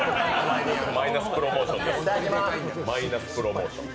マイナスプロモーションです。